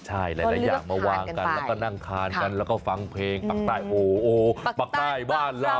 ใช่หลายอย่างมาวางกันแล้วก็นั่งทานกันแล้วก็ฟังเพลงปากใต้โอ้ปากใต้บ้านเรา